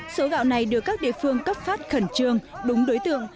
số gạo này được các địa phương cấp phát khẩn trương đúng đối tượng